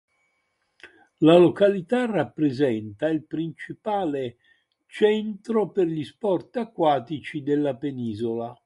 La località rappresenta il principale centro per gli sport acquatici della penisola.